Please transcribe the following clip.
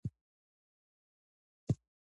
که مشره وي نو کشران نه جګړه کوي.